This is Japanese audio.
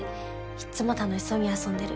いつも楽しそうに遊んでる。